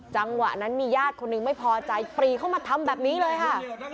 จังหวะนั้นมีญาติคนหนึ่งไม่พอใจปรีเข้ามาทำแบบนี้เลยค่ะ